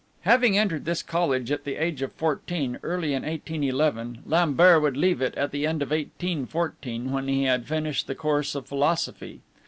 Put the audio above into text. Having entered this college at the age of fourteen, early in 1811, Lambert would leave it at the end of 1814, when he had finished the course of Philosophy.